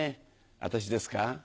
私ですか？